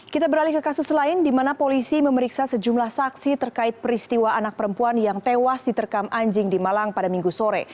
kita beralih ke kasus lain di mana polisi memeriksa sejumlah saksi terkait peristiwa anak perempuan yang tewas diterkam anjing di malang pada minggu sore